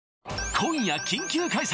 今夜緊急開催